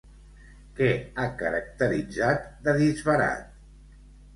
Què ha caracteritzat de disbarat?